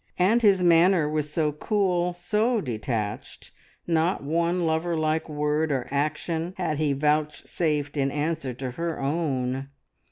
And his manner was so cool, so detached, not one lover like word or action had he vouchsafed in answer to her own.